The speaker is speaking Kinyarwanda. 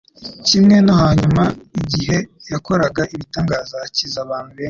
kimwe no hanyuma igihe yakoraga ibitangaza akiza abantu benshi.